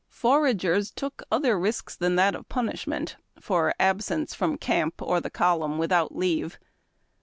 Foragers took other risks than that of punishment for absence from camj) or the column without leave.